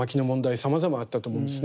さまざまあったと思うんですね。